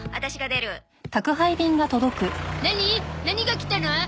何が来たの？